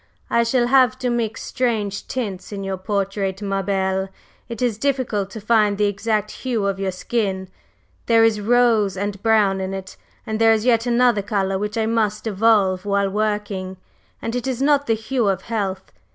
"I shall have to mix strange tints in your portrait, ma belle! It is difficult to find the exact hue of your skin there is rose and brown in it; and there is yet another color which I must evolve while working, and it is not the hue of health.